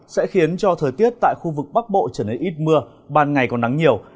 sẽ khiến cho thời tiết tại khu vực bắc bộ trở nên ít mưa ban ngày còn nắng nhiều